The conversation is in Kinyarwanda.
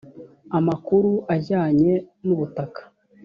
amakuru ajyanye n’ubutaka